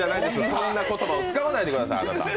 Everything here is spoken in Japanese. そんな言葉を使わないでください。